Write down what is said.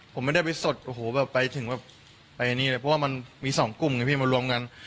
ผมไม่ได้ไปสดโอ้โหแบบไปถึงแบบไปนี่เลยเพราะว่ามันมีสองกลุ่มไงพี่มารวมกัน